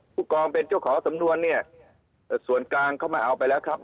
ผู้กองเป็นเจ้าของสำนวนเนี่ยส่วนกลางเข้ามาเอาไปแล้วครับ